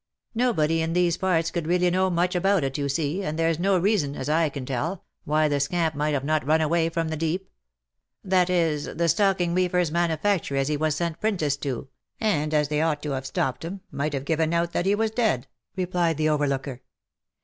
Nobody in these parts could really know much about it, you see, and there's no reason, as I can tell, why the scamp might not have run away from the Deep — that is, the stocking weaver's manufactory as he was sent 'printice to, and they as ought to have stopped him, might have given out that he was dead," replied the overlooker.